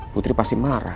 putri pasti marah